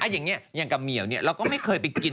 อย่างนี้อย่างกับเหมียวเราก็ไม่เคยไปกิน